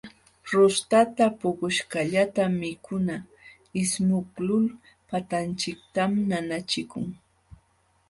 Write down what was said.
Ruurtata puquśhqallatam mikuna ismuqlul patanchiktam nanachikun.